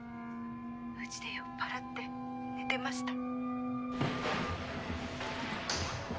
うちで酔っ払って寝てました。